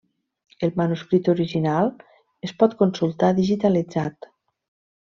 El manuscrit original es pot consultar digitalitzat.